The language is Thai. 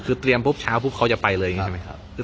คือเตรียมพรุ่งเช้าเขาจะไปเลยใช่ไหมใช่ครับ